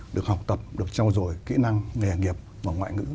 được học tập được trao dồi kỹ năng nghề nghiệp và ngoại ngữ